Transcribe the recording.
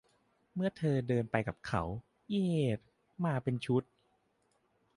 เมื่อเธอเดินไปกับเขา เหยด มาเป็นชุด